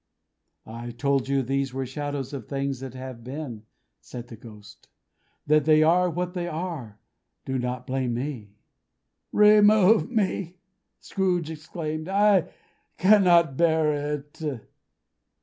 "I told you these were shadows of the things that have been," said the Ghost. "That they are what they are, do not blame me!" "Remove me!" Scrooge exclaimed. "I cannot bear it!"